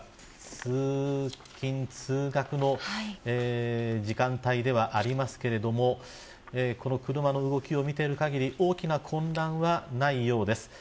通勤、通学の時間帯ではありますけれどもこの車の動きを見ている限り大きな混乱はないようです。